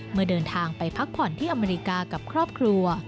เมื่อเดินทางไปพักผ่อนที่อเมริกากับครอบครัว